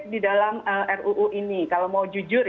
di dalam ruu ini kalau mau jujur